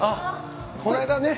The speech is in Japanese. これがね。